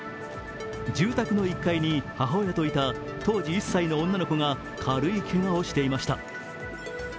住宅の１階に母親といた当時１歳の女の子が軽いけがをしていました。